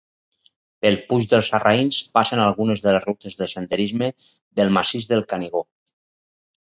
Pel Puig dels Sarraïns passen algunes de les rutes de senderisme del massís del Canigó.